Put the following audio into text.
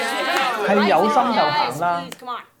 係有心就行啦